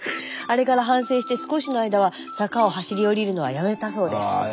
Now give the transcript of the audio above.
あれから反省して少しの間は坂を走り下りるのはやめたそうです。